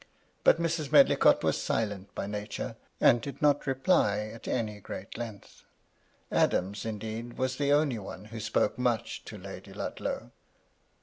But Mrs. Medlicott was silent by nature, and did not reply at any great length. Adams, indeed, was the only one who spoke much to Lady Ludlow.